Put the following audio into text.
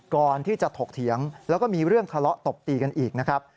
ก่อนที่จะถกเถียงแล้วก็มีเรื่องทะเลาะตบตีกันอีกนะครับ